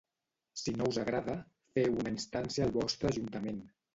Si no us agrada, feu una instància al vostre Ajuntament.